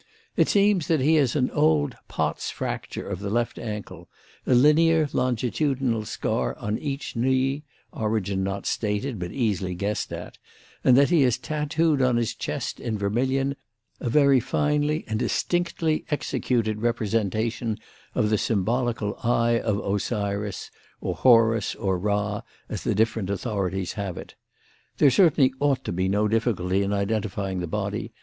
It seems that he has an old Pott's fracture of the left ankle, a linear, longitudinal scar on each knee origin not stated, but easily guessed at and that he has tattooed on his chest in vermilion a very finely and distinctly executed representation of the symbolical Eye of Osiris or Horus or Ra, as the different authorities have it. There certainly ought to be no difficulty in identifying the body.